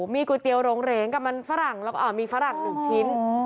มีก๋วยเตี๋ยวโรงเหรงกับมันฝรั่งแล้วก็มีฝรั่ง๑ชิ้น